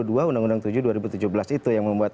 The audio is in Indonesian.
undang undang tujuh dua ribu tujuh belas itu yang membuat